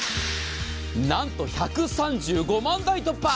なんと１３５万台突破。